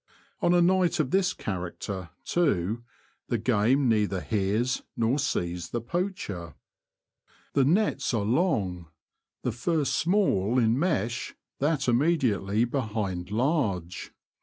On a night of this character, too, the game neither hears nor sees the poacher. The nets are long — the first small in mesh, that immediately behind large.